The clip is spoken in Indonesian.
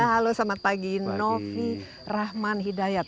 halo selamat pagi novi rahman hidayat